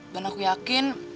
dan aku yakin